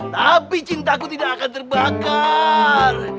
tapi cintaku tidak akan terbakar